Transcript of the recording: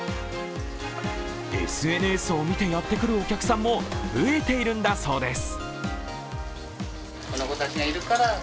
ＳＮＳを見てやってくるお客さんも増えているんだそうです。